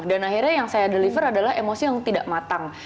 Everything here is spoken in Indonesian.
dan akhirnya yang saya deliver adalah emosi yang tidak matang